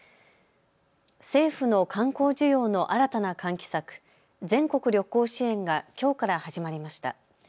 政府の観光需要の新たな喚起策、全国旅行支援がきょうから始まりました。